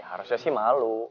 ya harusnya sih malu